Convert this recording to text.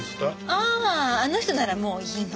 あああの人ならもういいの。